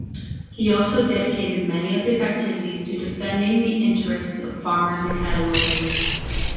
He also dedicated many of his activities to defending the interests of farmers in Catalonia.